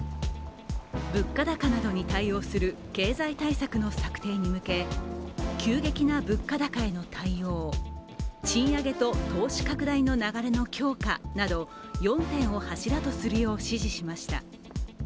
物価高などに対応する経済対策の策定に向け急激な物価高への対応賃上げと投資拡大の流れの強化など４点を柱とするよう指示しました。